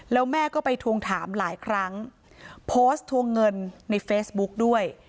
แล้วแม่ก็ไปทวงถามหลายครั้งโพสต์ทวงเงินในเฟซบุ๊กด้วย